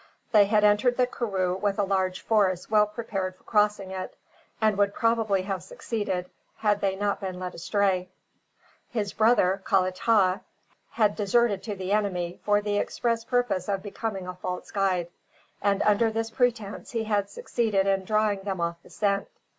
They had entered the karroo with a large force well prepared for crossing it, and would probably have succeeded, had they not been led astray. His brother, Kalatah, had deserted to the enemy for the express purpose of becoming a false guide, and under this pretence he had succeeded in drawing them off the scent.